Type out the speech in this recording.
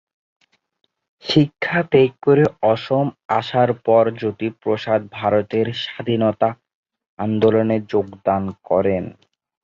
শিক্ষা ত্যাগ করে অসম আসার পর জ্যোতিপ্রসাদ ভারতের স্বাধীনতা আন্দোলনে যোগদান করেন।